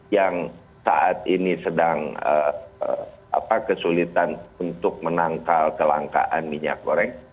yang saat ini sedang kesulitan untuk menangkal kelangkaan minyak goreng